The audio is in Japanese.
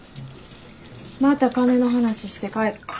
また金の話して帰った。